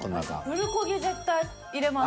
プルコギ絶対入れます。